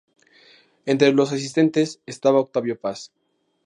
Entre los asistentes, estaba Octavio Paz.